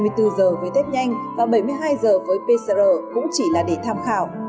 hai mươi bốn giờ với tết nhanh và bảy mươi hai h với pcr cũng chỉ là để tham khảo